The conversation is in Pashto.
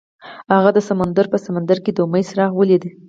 هغه د سمندر په سمندر کې د امید څراغ ولید.